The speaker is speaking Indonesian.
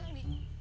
sama bajunya kok